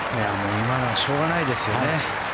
今のはしょうがないですよね。